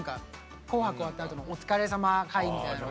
「紅白」終わったあとのお疲れさま会みたいな。